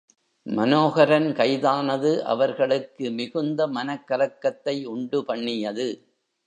மனோகரன் கைதானது அவர்களுக்கு மிகுந்த மனக் கலக்கத்தை உண்டு பண்ணியது.